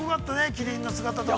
キリンの姿とか。